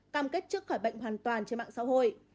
cam kết trước khỏi bệnh hoàn toàn trên mạng xã hội